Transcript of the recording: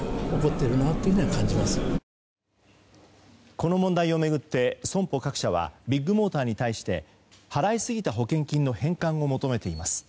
この問題を巡って損保各社はビッグモーターに対して払いすぎた保険金の返還を求めています。